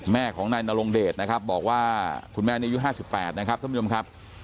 แม่ของนายนลงเดชน์นะครับบอกว่าคุณแม่นี้อายุ๕๘นะครับ